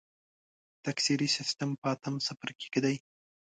تکثري سیستم په اتم څپرکي کې دی.